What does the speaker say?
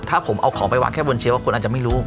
ถ้าผมเอาของไปวางแค่บนเชียวคนอาจจะไม่รู้